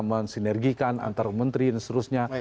mensinergikan antar menteri dan seterusnya